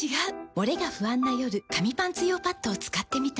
モレが不安な夜紙パンツ用パッドを使ってみた。